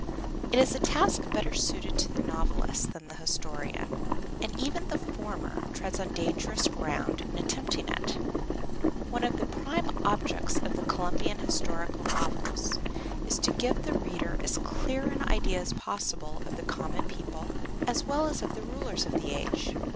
It is a task better suited to the novelist than the historian, and even the former treads on dangerous ground in attempting it. One of the prime objects of the Columbian Historical Novels is to give the reader as clear an idea as possible of the common people, as well as of the rulers of the age.